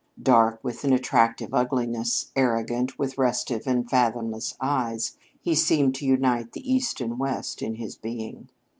Dark, with an attractive ugliness, arrogant, with restive and fathomless eyes, he seemed to unite the East and the West in his being.